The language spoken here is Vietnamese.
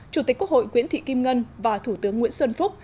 chủ tịch quốc hội nguyễn thị kim ngân và thủ tướng nguyễn xuân phúc